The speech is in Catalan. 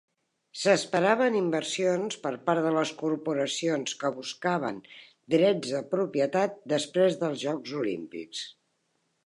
S'esperaven inversions per part de les corporacions que buscaven drets de propietat després dels Jocs Olímpics.